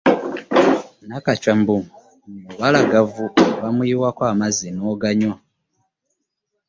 Nakacwa mbu mu bubalagavu bamuyiwako amazzi n'oganywa.